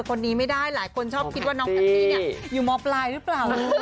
คนนี้ไม่ได้หลายคนชอบคิดว่าน้องแท็กซี่เนี่ยอยู่มปลายหรือเปล่า